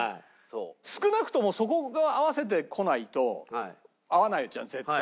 少なくともそこが合わせてこないと合わないじゃん絶対。